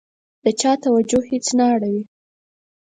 د چا توجه هېڅ نه اوړي.